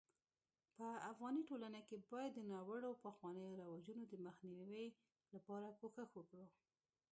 په افغاني ټولنه کي بايد د ناړوه پخوانيو رواجونو دمخ نيوي لپاره کوښښ وکړو